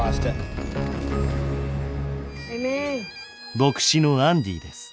牧師のアンディです。